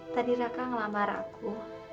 tadi raka ngelambar aku